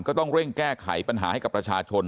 ก็ต้องเร่งแก้ไขปัญหาให้กับประชาชน